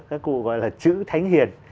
cái cụ gọi là chữ thánh hiền